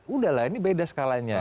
udah lah ini beda skalanya